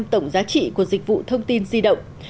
tổng giá trị của dịch vụ thông tin di động